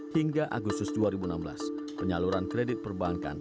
hingga agustus dua ribu enam belas penyaluran kredit perbankan